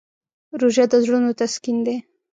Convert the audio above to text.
روژه د زړونو تسکین دی.